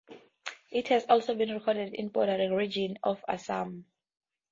It has also been recorded in bordering regions of Assam.